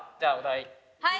はい！